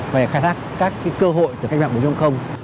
về khai thác các cơ hội từ cách mạng bổ trông không